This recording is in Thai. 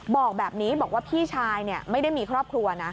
บอกแบบนี้บอกว่าพี่ชายไม่ได้มีครอบครัวนะ